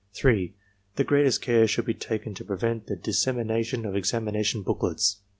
(3) The greatest care should be taken to prevent the dissemina tion of examination booklets.